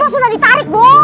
ini bos udah ditarik bos